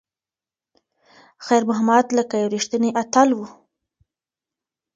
خیر محمد لکه یو ریښتینی اتل و.